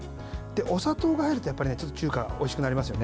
お砂糖が入ると、やっぱり中華はおいしくなりますよね。